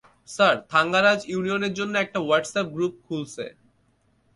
Sir, Thangaraj ইউনিয়নের জন্য একটা হোয়াটসঅ্যাপ গ্রুপ খুলছে।